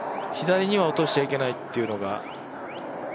左には落としちゃいけないというのが。